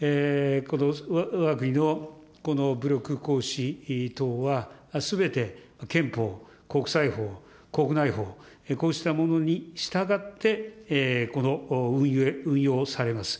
わが国のこの武力行使等は、すべて憲法、国際法、国内法、こうしたものに従って、この運用をされます。